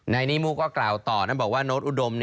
ในนี้มูก็กล่าวต่อแล้วบอกว่าโน้ตอุดม